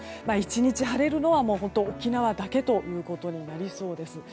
１日晴れるのは沖縄だけということになりそうです。